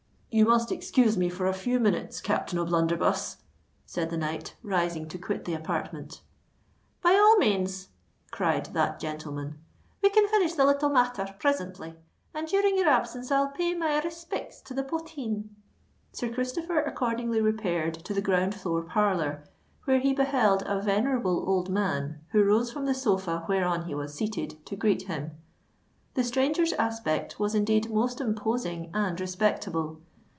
"You must excuse me for a few minutes, Captain O'Blunderbuss," said the knight, rising to quit the apartment. "By all manes," cried that gentleman. "We can finish the little matther prisintly; and during your absence I'll pay my respicts to the potheen." Sir Christopher accordingly repaired to the ground floor parlour, where he beheld a venerable old man who rose from the sofa whereon he was seated, to greet him. The stranger's aspect was indeed most imposing and respectable.